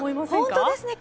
本当ですね。